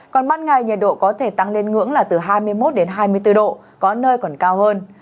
còn ban ngày nhiệt độ có thể tăng lên ngưỡng là từ hai mươi một đến hai mươi bốn độ có nơi còn cao hơn